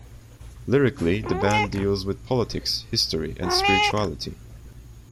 Lyrically, the band deals with politics, history and spirituality.